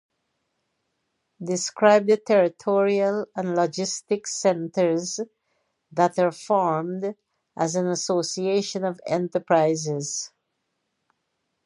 Describe the territorial and logistics centers that are formed as an association of enterprises.